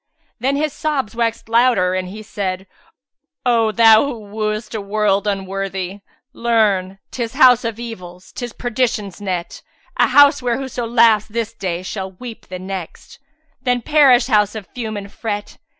Then his sobs waxed louder and he said, "O thou who woo'st a World[FN#371] unworthy, learn * 'Tis house of evils, 'tis Perdition's net: A house where whoso laughs this day shall weep * The next: then perish house of fume and fret!